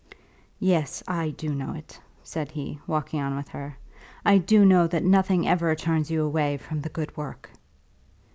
"Yes; I do know it," said he, walking on with her. "I do know that nothing ever turns you away from the good work."